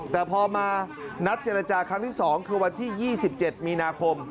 แต่พอมานัดเจรจาครั้งที่๒คือวันที่๒๗มีนาคม